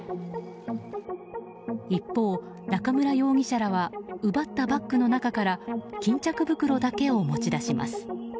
一方、中村容疑者らは奪ったバッグの中から巾着袋だけを持ち出します。